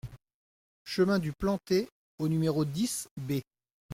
Chemin du Plantez au numéro dix B